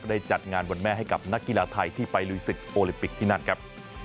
ได้จัดงานวันแม่ให้กับนักกีฬาไทยที่ไปลุยศึกโอลิปิกที่นั่นครับ